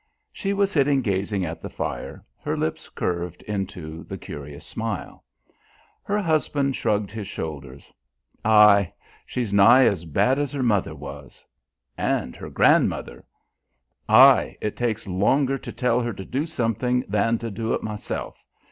She was sitting gazing at the fire, her lips curved into the curious smile. Her husband shrugged his shoulders. "Aye. She's nigh as bad as her mother was." "And her grandmother." "Aye. It takes longer to tell her to do something than to do it myself.